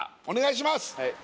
お願いします